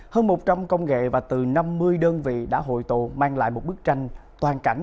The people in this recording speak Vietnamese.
hơn một trăm linh công nghệ và từ năm mươi đơn vị đã hội tụ mang lại một bức tranh toàn cảnh